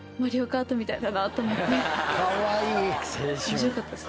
面白かったです。